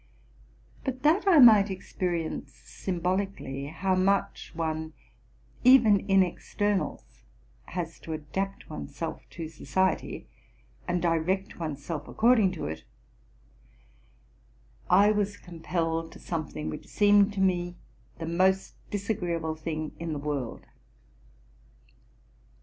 But that I might experience symbolically how much one, even in externals, has to adapt one's self to society, and direct one's self according to it, I was compelled to something which seemed to me the most disagreeable thing in the world.